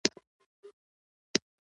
حکومت هر کال مالیه ټولوي.